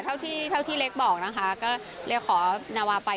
เท่าที่เล็กบอกนะคะก็เรียกขอนาวาไป